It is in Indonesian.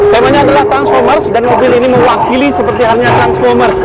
temanya adalah transformers dan mobil ini mewakili seperti halnya transformers